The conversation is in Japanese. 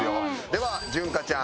では潤花ちゃん。